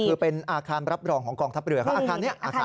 คือเป็นอาคารรับรองของกองทัพเรือเขาอาคารนี้อาคาร